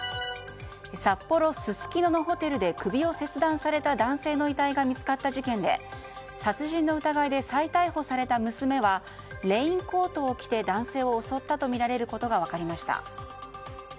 札幌・すすきののホテルで首を切断された男性の遺体が見つかった事件で殺人の疑いで再逮捕された娘はレインコートを着て男性を襲ったとみられることが分かりました。